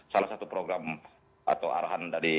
salah satu program atau arahan dana desa ini adalah